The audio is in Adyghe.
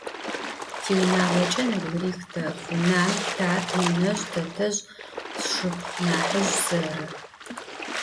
Tiunağoç'e nebgırix texhu: nan, tat, nenezj, tetezj, sşşıpxhunahızj, serı.